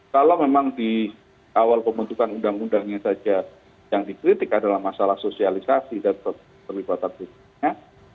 kalau memang di awal pembentukan undang undangnya saja yang dikritik adalah masalah sosialisasi dan terlibatan